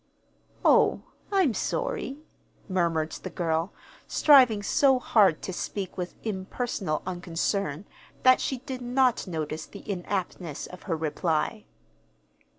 "Oh, I'm sorry," murmured the girl, striving so hard to speak with impersonal unconcern that she did not notice the inaptness of her reply.